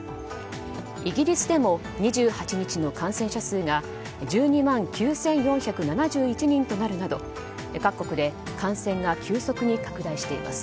イギリスでも２８日の感染者が１２万９４７１人となるなど各国で感染が急速に拡大しています。